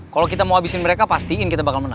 kalau kita mau habisin mereka pastiin kita bakal menang